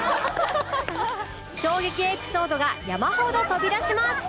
衝撃エピソードが山ほど飛び出します！